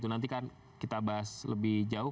nanti kan kita bahas lebih jauh